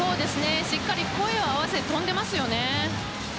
しっかり声を合わせて跳んでいます。